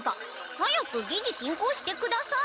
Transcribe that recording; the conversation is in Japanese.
早く議事進行してください。